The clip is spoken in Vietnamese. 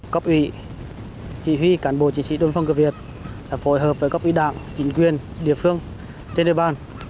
cốc ủy chỉ huy cản bộ chỉ sĩ đồn phòng cửa việt phối hợp với cốc ủy đảng chính quyền địa phương trên địa bàn